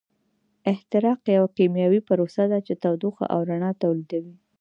احتراق یوه کیمیاوي پروسه ده چې تودوخه او رڼا تولیدوي.